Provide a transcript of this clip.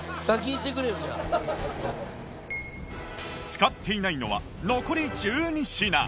使っていないのは残り１２品